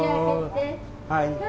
はい。